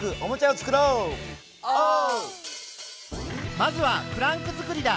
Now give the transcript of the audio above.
まずはクランク作りだ！